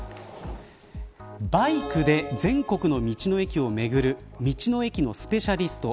バイクで全国の道の駅を巡る道の駅のスペシャリスト